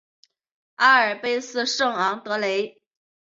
阿尔卑斯圣昂德雷。